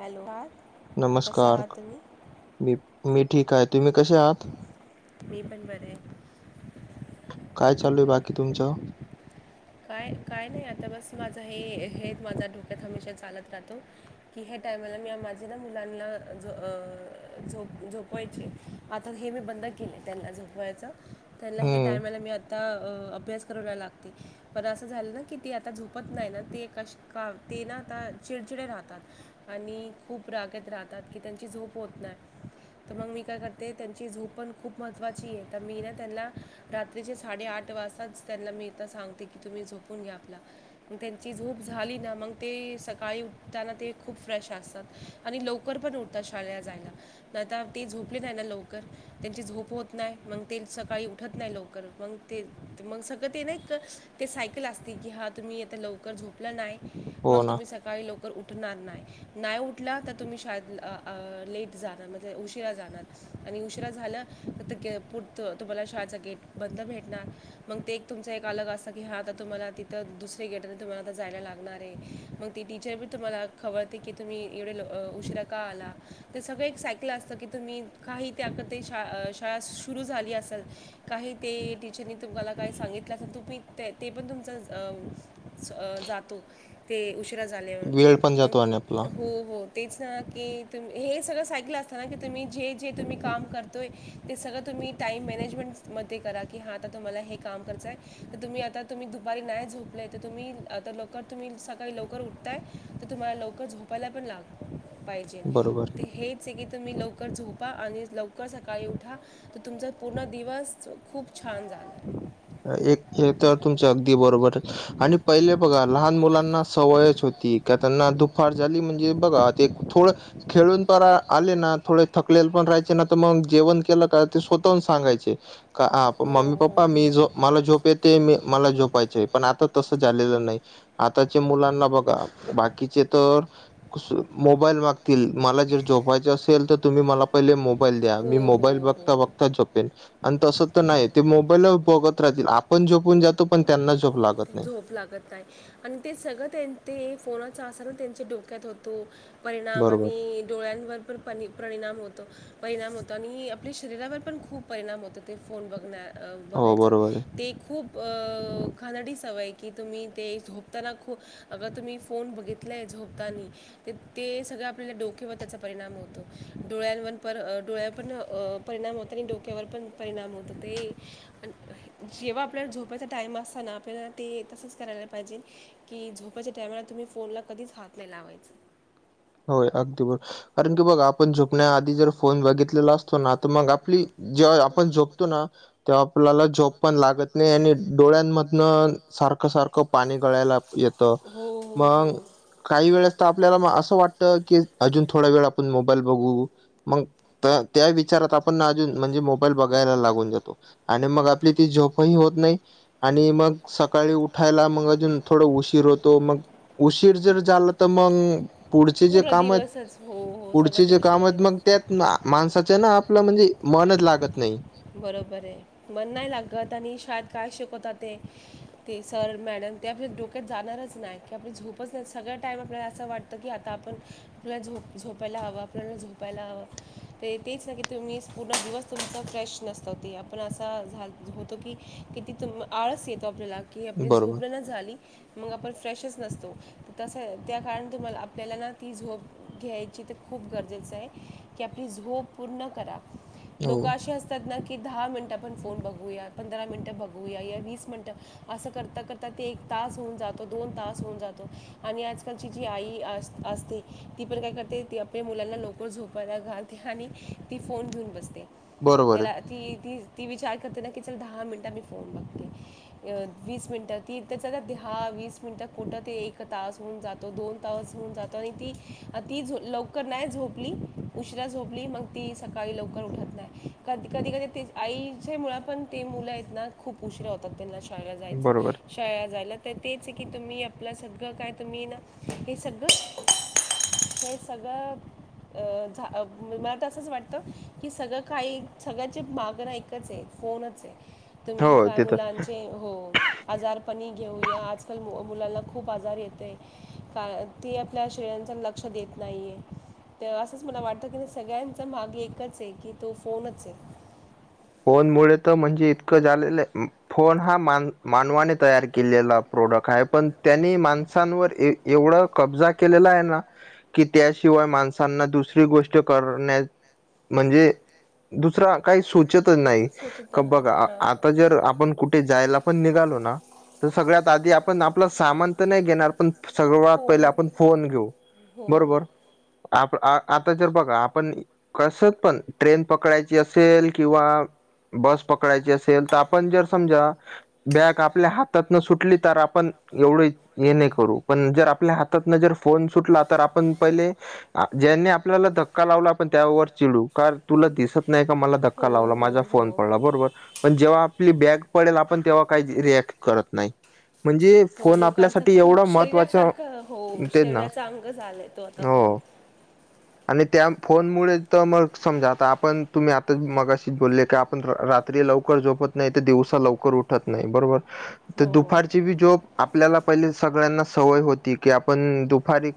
Hello. नमस्कार मी ठीक आहेत. तुम्ही कसे आहात? मी पण बरे आहे काय चालू बाकी तुमचं? काय काय नाही आता बस माझं हे हे माझ्या डोक्यात हमेशा चालत राहतो की ह टाइमला मी माझे ना मुलांना झो झो झोपवाय ची आता हे मी बंद केले त्यांना झोपवायचं. त्यांना हे हं. टायमाला मी आता करायला लावते. असं झालं ना की ते आता झोपत नाही ना ते न का ते ना आता चिडचिडे राहतात. आणि खूप रागेत राहतात की त्यांची झोप होत नाय. तर मग मी काय करते त्यांची झोप पण खूप महत्त्वाची आहे तर मी ना त्यांला रात्रीचे साडेआठ वाजताच त्यांना मीथ सांगते की तुम्ही झोपून घ्या आपल. यांची झोप झाली ना मग ते सकाळी उठताना ते खूप फ्रेश असतात. आणि लवकर पण उठतात शाळेला जायला. आता ते झोपले नाही ना लवकर त्यांची झोप होत नाही मग सकाळी उठत नाही लवकर मग ते मग सगळं ते ना एक ते सायकल असते की हा तुम्ही आ लवकर झोपल नाही हो मग ना. तुम्ही स सकाळी लवकर उठणार नाय नाय उठला तर तुम्ही शाळेत लेट जाणार म्हणजे उशिरा जाणार आणि उशिरा झाला तर पुरत तुम्हाला शाळाचा गेट बंद भेटणार. मग ते एक तुमचा एक अलग अस की हा आता तुम्हाला तिथं दुसऱ्या गेटाने तुम्हाला आता जायला लागणार आहे मग ती टीचर पण तुम्हाला खवळते की तुम्ही एवढे ल उशिरा का आला तर सगळं एक सायकल असतं की तुम्ही काही त्याक ते शाळा शाळा सुरू झाली असेल काही ते टीचरनी तुमला काय सांगितलं अस तुम्ही ते ते पण तुमचा जातो ते उशिरा वेळ पण झाल्यावर जातो आणि मग आपला. हो हो. तेच ना की तुम्ही हे सगळं सायकल असतं ना की जे जे तुम्ही काम करतोय ते सगळं तुम्ही टाईम मॅनेजमेंटमध्ये करा की हां आता तुम्हाला हे काम कराचं आहे तर तुम्ही आता तुम्ही दुपारी नाही झोपलं आहे तर तुम्ही आता लवकर तुम्ही सकाळी लवकर उठताय. तर तुम्हाला लवकर झोपायला पण लाग पाहिजे बरोबर. हे जसे की तुम्ही लवकर झोपा आणि लवकर सकाळी उठा. तर तुमचा पूर्ण दिवस खूप छान जाणार. एक हे तर तुमच्या अगदी बरोबर. आणि पहिले बघा लहान मुलांना सवयच होती की त्यांना दुपार झाली म्हणजे बघा ते थोडं खेळून प आले ना थोडे थकलेले पण राहायचे ना तर मग जेवण केलं का ते स्वतःहून सांगायचे हो मम्मी हो पप्पा मी झोप झोप येत मला झोपायचंय पण आता तसं झालेलं नाही. आताचे मुलांना बघा बाकीचे तर मोबाईल मागतील मला जर जोपायच असेल तर तुम्ही मला पहि मोबाईल द्या हो मी हो मोबाईल हो बघता हो बघता झोपेन आणि तसं तर नाही ते मोबाईल बत बघत राहतील आपण झोपून जातो पण त्यांना झोप लागतच झोप लागत नाही. अन सगळं त्यांचे त्या फोनचा असर त्यांच्या डोक्यात होतो परिणाम बरोबर. आणि डोळ्यांवर पण प परिणाम होतो परिणाम होतो आणि आपल्या शरीरावर पण खूप परिणाम होतो ते फोन बघण्या अ हो, बघायच बरोबर आहे. ते खूप खनडी सवय की तुम्ही ते झोपताना खू अगर तुम्ही फोन बघितलाय झोपताना ते सगळं आपल्याला डोक्यावर त्याचा परिणाम होतो डोळ्यांवर प डोळ्यावर पण अ परिणाम होत आणि डोक्यावर पण परिणाम होत ते आणि जेव्हा आपल्याला झोपायचा टाइम असताना आपल्याला ते तसंच करायला पाहिजे की झोपाच्या टायमाला फळ तुम्ही फोनला कधीच हात नाही लावायचा. होय अगदी बरोबर. कारण की बघ आपण झोपण्या आधी जर फोन बघितलेला असतो ना तर मग आपली जेव्हा आपण झोपतो ना तेव्हा आपल्याला झोप पण लागत नाही आणि डोळ्यांमधन सारखं सारखं पाणी गळायला येत हो, हो, मग हो. काही वेळेस तर आपल्याला असं वाटतं की अजून थोडा वेळ आपण मोबाईल बघू. मग त्या विचारात आपण अजून म्हणजे मोबाईल बघायला लागून जातो. आणि मग आपली ती झोपही होत नाही. आणि मग सकाळी उठायला मग अजून थोडं उशीर होतो मग उशीर जर झालं तर मग पुढचे जे पूर्ण काम आहेत दिवसच. हो, हो. सगळं पुढचे ते जे काम उशिराने आहेत होतं. मग त्यात माणसाचं ना आपलं म्हणजे मनच लागत नाही. बरोबर आहे मन नाही लागत आणि शाळेत काय शिकवत ते ते सर मॅडम ते आपल्या डोक्यात जाणारच नाही कि आपली झोपच नाही सगळ टाइम आपल्याला असं वाटत तरी आता आपण आपला झोप झोपायला हवं आपल्याला झोपायला हवं ते तेच ना की तुम्ही पूर्ण दिवस तुमचा फ्रेश नसतो कि आपण आसा होतो किती आळस येतो आपल्याला [unintelligible] की आपली बरोबर. झोप नाही ना झाली मग आपण फ्रेशच नसतो तर तसं त्या काळात तुम्हाला आपल्याला ना ती झोप घ्यायची तर खूप गरजेचं की आपली झोप पूर्ण करा लोक हो. असे त ना की दहा मिनिटं आपण फोन बघूया पंधरा मिनिटं बघूया या वीस मिनिटं असं करता करता ते एक तास होऊन जातो दोन तास होऊन जातो आणि आजकालची जी आई अस असते ती पण काय करते ती आपल्या मुलांना लवकर झोपायला घालते आणि ती फोन घेऊन बसते. बरोबर आहे. त्याला ती त ती विचार करते ना की चल दहा मिनिटा मी फोन बघते. अ वीस मिनिटात ती त्या हहा वीस मिनिटात कुठं ते एक तास होऊन जात त दोन तास होऊन जातो आणि ती ती लवकर नाही झोपली उशिरा झोपली मग ती सकाळी लवकर उठत नाही. कधी कधी कधी कधी ते आईच्या मुळा पण ते मुलं आहेत ना खूप उशरा होतात त्यांला शाळला जायचं. बरोबर शाळा जायला तर तेच आहे की तुम्ही आपलं सगळं काय तुम्ही ना हे सगळं हे सगळं अ झा अ मला तर असंच वाटतं की सगळं काही सगळ्याचे मागणा एकच हे फोनच आहे आहे. तुम्ही हो काय ते तर मुलांचे हो आजारपणी घेऊया आजकाल मु मुलांला खूप आजार येतेय. कारण ती आपल्या शरीरांचा लक्ष देत नाहीये. ते असंच मला वाटतं की सगळ्यांचा मागे एकच आहे की तो फोनच आहे. फोनमुळे तर म्हणजे इतकं झालेलं उम्म फोन हा मान मानवाने तयार केलेला प्रोडक्ट आहे पण त्यांनी माणसांवर एवढं कब्जा केलेला आहे ना कि त्याशिवाय माणसांना दूसरी गोष्ट करण्या म्हणजे दुसरा काही सूच तं नाही क स्वच्छता बघ आ हां आता जर आपण कुठे जायला पण निघालो ना तर सगळ्यात आधी आपण आपलं सामान तर नाही घेणार पण सर्वा पहिला फोन आपण फोन घेऊ हो बरोबर. आप आ आता जर बघा आपण कसं पण ट्रेन पकडायची असेल किंवा बस पकडायची असेल तर आपण जर समजा बॅग आपल्या हातात न सुटली तर आपण एवढे हे नाही करू पण जर आपल्या हातातनं जर फोन सुटला तर आपण पहिले ज्यांनी आपल्याला धक्का लावला आपण त्यावर चिडू का रे तुला दिसत नाही का मला हो धक्का लावला हो माझा हो फोन पडला बरोबर पण जेव्हा आपली बॅग पडेल आपण तेव्हा काही ज रिएक्ट करत नाही म्हणजे हो फोन लोकांचं आपल्यासाठी खूप एवढं महत्त्वाचा शरीरासारखं हो तेच ना शरीराचा अंग झालाय तो आता हो. फोन आणि त्या फोन मुळे तर मग समजा आता आपण तुम्ही आता मग अशीच बोलले का पण रा रात्री लवकर झोपत नाही तर दिवसा लवकर उ ठत नाही बरोबर तर हो दुपारची बी जॉब आप पल्याला पहिले सगळ्यांना सवय होती की आपण दुपारी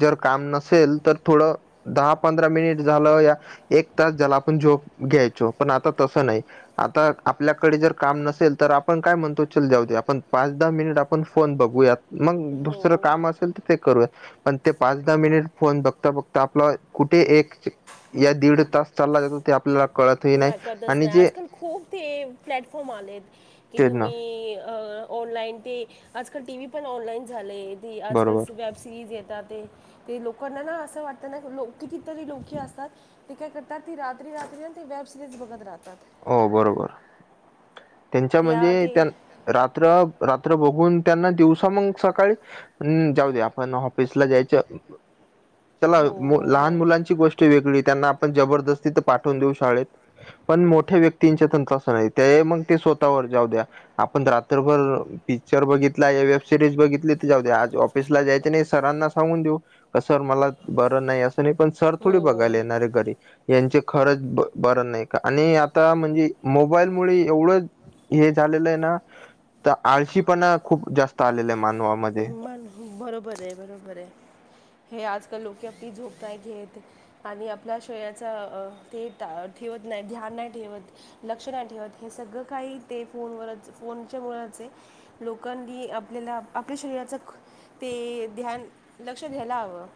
जर काम नसेल तर थोडं दहा पंधरा मिनिट झालं या एक तास झाला आपण झोप घ्यायचो पण आता तसं नाही आता आपल्याकडे जर काम नसेल तर आपण काय म्हणतो चल जाऊ दे आपण पाच दहा मिनिट आपण फोन बघूयात मग दुसरं हो काम असेल तर ते करूया पण ते पाच दहा मिनिट फोन बघता बघ तर आपला कुठे एक च या दीड तास चालला जातो ते आपल्याला कळत माय कदस नाय आजकाल खूप ते प्लॅटफॉर्म आलेत की ते ना तुम्ही अ ऑनलाईन ते आजकाल टी व्ही पण ऑनलाईन झाले ती आजकाल बरोबर स वेब सिरीज येतात ते ते लोकांना ना असं वाटतं ना लो कितीतरी लोक ही असतात ते काय करतात ती रात्री-रात्री ते वेब सिरीज बघत राहतात. हो बरोबर त्यांच्या या म्हणजे ते त्यां रात्र-रात्र बघून त्यांना दिवसा मंग सकाळी‌ पण जाऊ दे आपण ऑफिसला जायच चला हो मु हो लहान हो मुलांची गोष् टी वेगळी त्यांना आपण जबरदस्ती पाठवून देऊ शाळेत पण मो ठे व्यक्तींच्या तंत्रास नाही तेय मंग ते स्वतःवर जाऊ द्या. आपण रात्रभर पिक्चर बघितलाय वेब सिरीज बघितली तर जाऊ द्या आज ऑफिसला जायचे नाही सरांना सांगून देऊ का सर मला बरं नाहीय त्याने पण सर हो थोडं बघायला येणार आहे घरी यांचं खरंच ब बरं नाय का आणि आप आत्ता म्हणजे मोबाईल मुळे एवढं हे झालं आहे ना. तर आळशी पणा खूप आलेला आहे मानवामध्ये. हो बरोबर आहे. बरोबर आहे. आजकाल लोकं झोप नाही घेत. आणि आपल्या शरीराचा ते ठेवत नाही ध्यान नाही ठेवत. लक्ष नाही ठेवत हे सगळ काही ते फोनवरच फोनमुळेच आहे. लोकांनी आपल्याला आपल्या शरीराचं ते ध्यान लक्ष द्यायला हवं.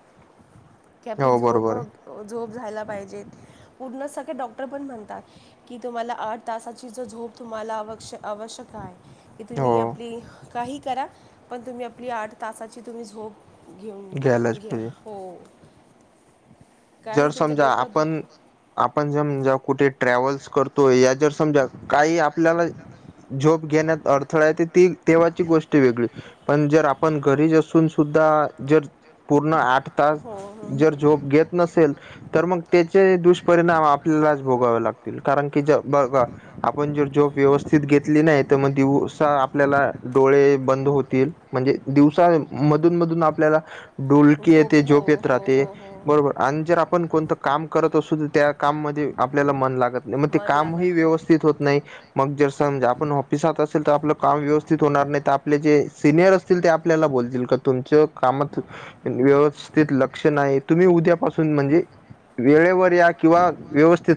की आपली हो झोप बरोबर आहे झोप झायला पाहिजेत पूर्णच सगळे डॉक्टर पण म्हणतात. की तुम्हाला आठ तासाची जो झोप तुम्हाला आवश्य आवश्यक आहे. कि हो तुम्ही आपली काही करा पण तुम्ही आपली आठ तासाची तुम्ही झोप घेऊन घ्यायलाच घ्या पाहिजे. हो. जर काही तुमचं समजा डोकं दु आपण आपण समजा. ट्रॅव्हल्स करतोय या जर समजा काही आपल्याला झोब घेण्यात अडथळा आहे ते ती तेव्हाची गोष्ट वेगळी पण जर आपण घरीच असून सुद्धा जर पूर्ण आठ तास हो जर झोप घेत- नसेल तर मग त्याचे दुष्परिणाम आपल्यालाच भोगावे लागतील. कारण की ज बघा. आपण जर झोप व्यवस्थित घेतली नाही तर मग दिवसा आपल्याला डोळे बंद होतील. म्हणजे दिवसा मधून मधून आपल्याला डुलकी येते झोप येत राहते बरोबर. आणि जर आपण कोणतं काम करत असू तर त्या काम मधे आपल्याला मन लागत म ते कामही व्यवस्तीत होत नाही. मग जर समजा आपण ऑफिसात असेल तर आपलं काम व्यवस्थित होणार नाही. तर आपले जे सिनियर आपल्याला बोलतील का तुमच्या कामात व्यवस्थित लक्ष नाही. तुम्ही उद्या पासून म्हणजे वेळेवर या किंवा व्यवस्थ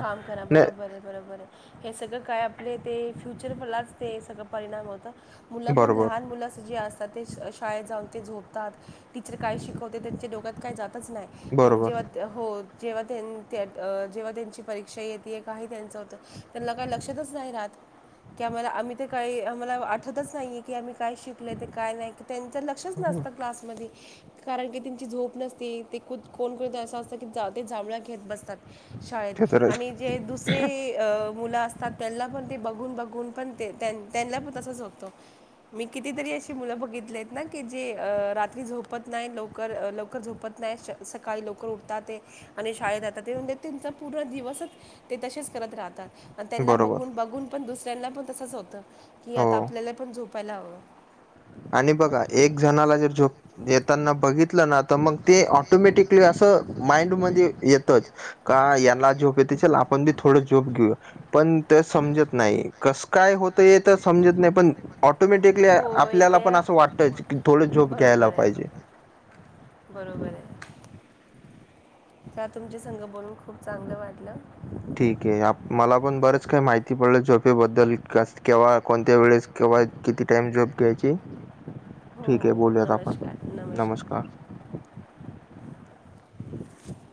काम करा. बरोबर आहे. बरोबर आहे. हे सगळं काय आपले ते फ्युचरलाच ते सगळं परिणाम होतं. मुलं पण बरोबर लहान मुलंस जे असत- ते शाळेत जाऊन झोपतात ते टीचर काय? शिकवते त्यांच्या डोक्यात काय? जातच नाही मग बरोबर जेव्हा हो जेव्हा त्यां जेव्हा त्यांची- परीक्षा येत काही त्यांच होतं त्यांना काही लक्षातच नाही राहत. की आम्हाला आम्ही ते काही आम्हाला आठवतच नाहीये की आम्ही काय शिकल ते काय नाही. त्यांचं लक्षच बरोबर नसतं क्लासमध्ये. कारण की त्यांची झोप नसते ते कु कोण कोणीत असं असतं की जा ते जांभळ्या घेत बसतात. शाळेत. ते तर आहेच आणि जे दुसरे मुलं असतात त्यांना पण ते बघून बघून पण ते त्यांना पण तसं होतो. मी कितीतरी अशी मुलं बघितली आहेत. ना की जे रात्री झोपत नाही लवकर लवकर झोपत नाही सकाळी लवकर उठतात. ते आणि शाळेत जात म्हणजे त्यांचा पूर्ण दिवस तसेच करत राहतात. त्यांना बरोबर बघून बघून. पण दुसऱ्यांना पण तसच होतं की आता हो. आपल्याला पण झोपायला हवं. आणि बघा एक जणाला जर झोप येताना बघितलं ना तर मग ते ऑटोमॅटिकली असं माइंडमध्ये येतच. का याला झोप येत चल आपण बी थोडं झोप घेऊ या. पण ते समजत ना य कसं काय? होत हे तर समजत नाही पण होय, ऑटोमॅटिकली पण असं वाटत की थोडं झोप घ्यायला पाहिजे. बरोबर आहे. चा तुमचे संघ बोलून खूप चांगलं वाटलं. ठीक आहे मला पण बरच काही माहिती पडलं झोपेबद्दल केव्हा कोणत्या वेळेस केव्हा किती टाईम झोप घ्यायची हो ठीक आहे हो बोलूयात आपण नमस्कार नमस्कार. [unintelligible]